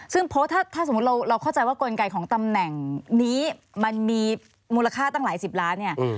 ซึ่งโพสต์ถ้าสมมุติเราเข้าใจว่ากลไกของตำแหน่งนี้มันมีมูลค่าตั้งหลายสิบล้านเนี่ย